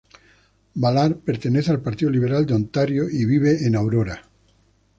Ballard pertenece al Partido Liberal de Ontario y vive en Aurora.